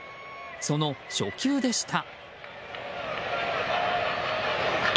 その初球でした。